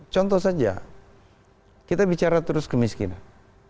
contoh saja kita bicara terus kemiskinan